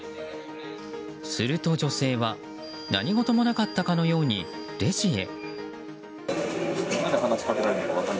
すると女性は、何事もなかったかのようにレジへ。